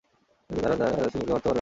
কিন্তু তারা সিংহকে মারতে পারবে না।